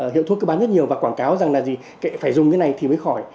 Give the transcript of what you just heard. hiệu thuốc cứ bán rất nhiều và quảng cáo rằng là gì phải dùng cái này thì mới khỏi